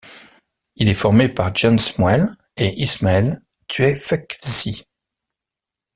Il est formé par Jens Moelle et Ismail Tuefekci.